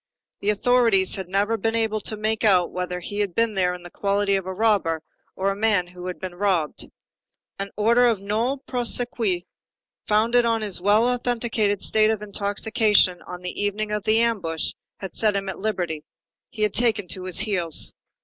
The authorities had never been able to make out whether he had been there in the quality of a robber or a man who had been robbed. An order of nolle prosequi, founded on his well authenticated state of intoxication on the evening of the ambush, had set him at liberty. He had taken to his heels.